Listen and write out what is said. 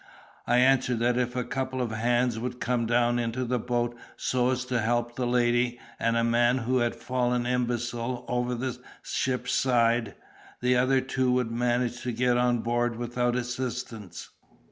I answered that if a couple of hands would come down into the boat so as to help the lady and a man (who had fallen imbecile) over the ship's side, the other two would manage to get on board without assistance.